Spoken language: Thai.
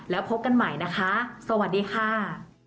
แล้วพบกันใหม่นะคะสวัสดีค่ะ